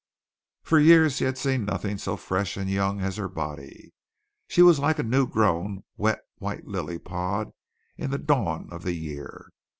For years he had seen nothing so fresh and young as her body. She was like a new grown wet white lily pod in the dawn of the year.